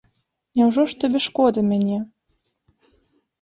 Няўжо ж табе шкода мяне?